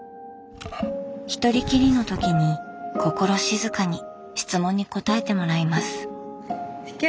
ひとりきりのときに心静かに質問に答えてもらいます。